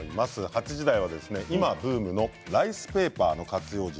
８時台は今ブームのライスペーパーの活用術。